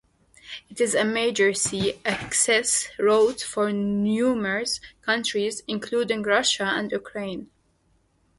It is a major sea access route for numerous countries, including Russia and Ukraine.